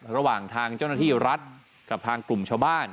ระหว่างทางเจ้าหน้าที่รัฐกับทางกลุ่มชาวบ้าน